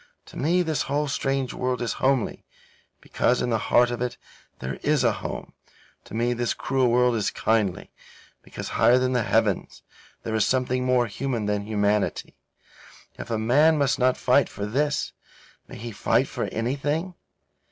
To me this whole strange world is homely, because in the heart of it there is a home; to me this cruel world is kindly, because higher than the heavens there is something more human than humanity. If a man must not fight for this, may he fight for anything?